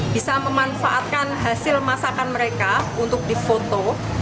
bisa memanfaatkan hasil masakan mereka untuk difoto